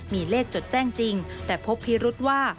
มีเลขจดแจ้งจริงแต่พบพิรุษว่า